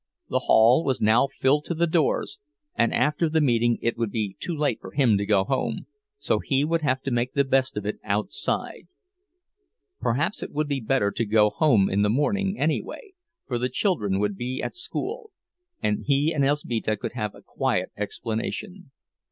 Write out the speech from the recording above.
The hall was now filled to the doors; and after the meeting it would be too late for him to go home, so he would have to make the best of it outside. Perhaps it would be better to go home in the morning, anyway, for the children would be at school, and he and Elzbieta could have a quiet explanation.